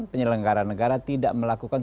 penyelenggara negara tidak melakukan